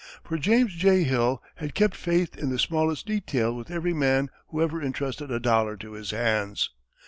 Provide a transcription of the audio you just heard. For James J. Hill has kept faith in the smallest detail with every man who ever entrusted a dollar to his hands.